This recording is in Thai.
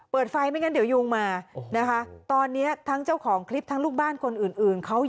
เปิดไฟไม่งั้นเดี๋ยวยุงมานะคะ